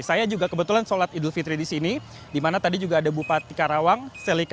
selamat malam fitri